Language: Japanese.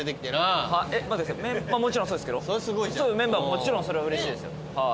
もちろんそれはうれしいですよ。